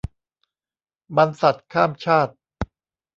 บรรษัทข้ามชาติ